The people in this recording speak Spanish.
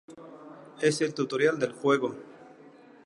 Es el tutorial del juego.